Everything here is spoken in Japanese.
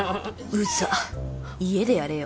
ウザ家でやれよ！